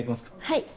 はい。